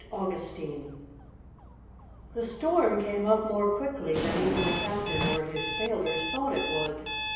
AUGUSTINE The storm came up more quickly than even the captain or his sailors thought it would.